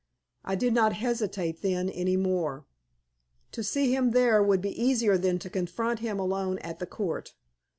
I did not hesitate then any more. To see him there would be easier than to confront him alone at the Court.